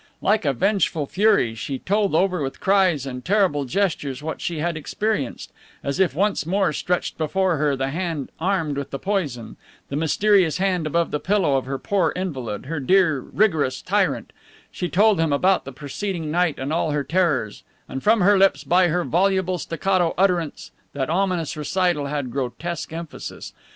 Like a vengeful fury she told over with cries and terrible gestures what she had experienced, as if once more stretched before her the hand armed with the poison, the mysterious hand above the pillow of her poor invalid, her dear, rigorous tyrant; she told them about the preceding night and all her terrors, and from her lips, by her voluble staccato utterance that ominous recital had grotesque emphasis.